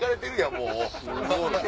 もう。